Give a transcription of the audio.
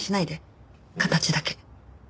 形だけ。